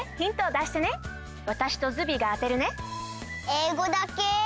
えいごだけ？